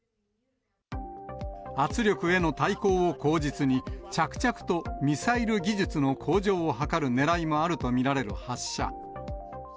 圧力への対抗を口実に、着々とミサイル技術の向上を図るねらいもあると見られる発射。